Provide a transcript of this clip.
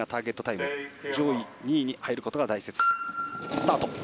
スタート。